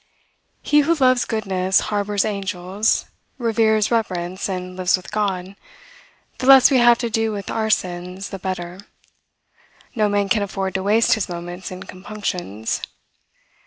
He who loves goodness, harbors angels, reveres reverence, and lives with God. The less we have to do with our sins, the better. No man can afford to waste his moments in compunctions.